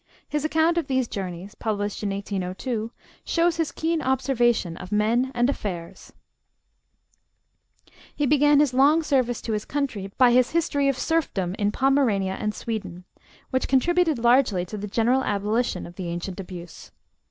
His account of these journeys, published in 1802, shows his keen observation of men and affairs. [Illustration: ERNST ARNDT] He began his long service to his country by his 'History of Serfdom in Pomerania and Sweden,' which contributed largely to the general abolition of the ancient abuse.